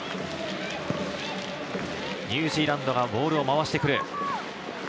ニュージーランドがボールを回してくる。